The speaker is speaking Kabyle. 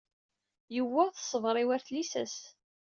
Yewweḍ ṣṣber-iw ɣer tlisa-s.